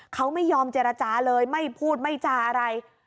เขาไม่ยอมเจรจาเลยไม่พูดไม่จาอะไร